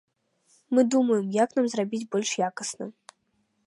Мы думаем, як нам зрабіць больш якасна.